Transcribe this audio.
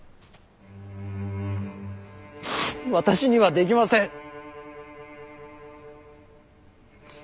私にはできません。